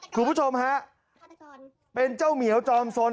คุณผู้ชมฮะเป็นเจ้าเหมียวจอมสน